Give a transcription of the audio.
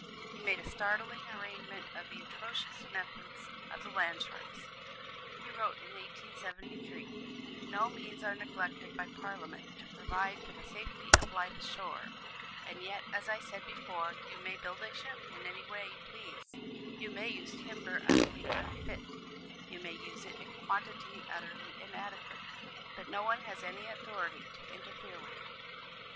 He made a startling arraignment of the atrocious methods of the land sharks. He wrote, in 1873, "No means are neglected by Parliament to provide for the safety of life ashore; and yet, as I said before, you may build a ship in any way you please, you may use timber utterly unfit, you may use it in quantity utterly inadequate, but no one has any authority to interfere with you.